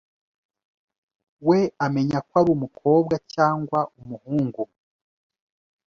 we amenya ko ari umukobwa cyangwa umuhungu,